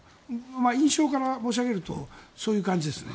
印象から申し上げるとそういう感じですね。